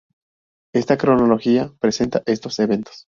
Esta cronología presenta estos eventos.